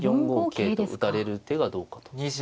４五桂と打たれる手がどうかと。